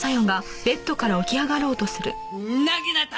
なぎなた！